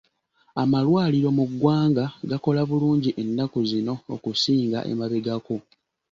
Amalwaliro mu ggwanga gakola bulungi ennaku zino okusinga emabegako.